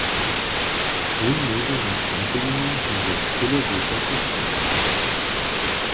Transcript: Wón móže na trampolinje hižo cyle wysoko skakać.